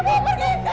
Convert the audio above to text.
gak ada izzan